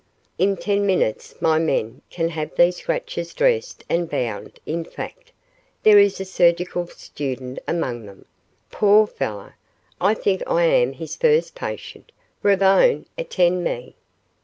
In ten minutes my men can have these scratches dressed and bound in fact, there is a surgical student among them, poor fellow. I think I am his first patient. Ravone, attend me."